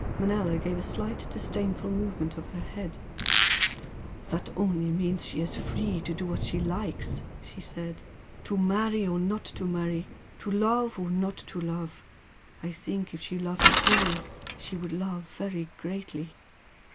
Manella gave a slight disdainful movement of her head. "That only means she is free to do as she likes" she said "To marry or not to marry to love or not to love. I think if she loved at all, she would love very greatly.